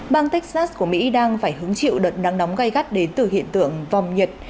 bang texas của mỹ đang phải hứng chịu đợt nắng nóng gai gắt đến từ hiện tượng vòng nhiệt